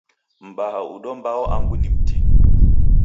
Mbaha udo mbao angu ni mtini.